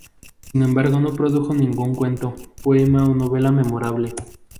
Sin embargo, no produjo ningún cuento, poema o novela memorable.